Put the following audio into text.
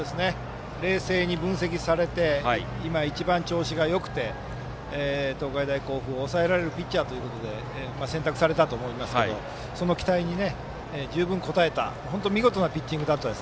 冷静に分析されて今、一番調子がよくて東海大甲府を抑えられるピッチャーということで選択されたと思いますがその期待に十分に応えた本当に見事なピッチングでした。